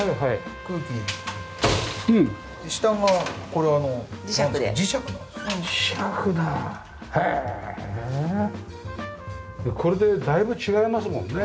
これでだいぶ違いますもんね。